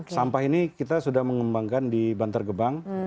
sampah ini kita sudah mengembangkan di bantar gebang